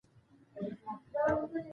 چي مي غزلي ورته لیکلې